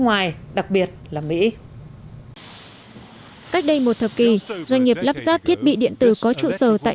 ngoài đặc biệt là mỹ cách đây một thập kỷ doanh nghiệp lắp ráp thiết bị điện tử có trụ sở tại